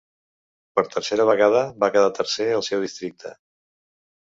Per tercera vegada va quedar tercer al seu districte.